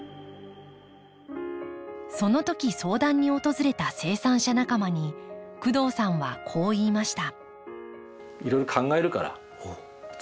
そのとき相談に訪れた生産者仲間に工藤さんはこう言いました。